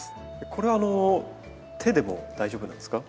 これはあの手でも大丈夫なんですか？